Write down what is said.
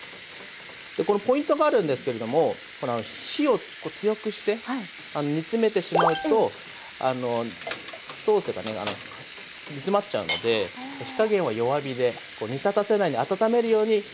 これポイントがあるんですけれども火をちょっと強くして煮詰めてしまうとソースがね煮詰まっちゃうので火加減は弱火で煮立たせないで温めるように火を入れてって下さい。